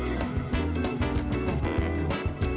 jadi bisa dipanggang di tempat yang tepat